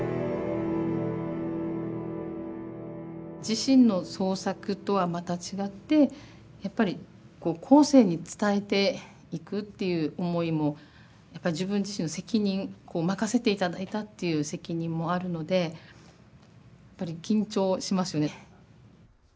自身の創作とはまた違ってやっぱり後世に伝えていくっていう思いもやっぱ自分自身の責任任せて頂いたっていう責任もあるのでやっぱり緊張しますね。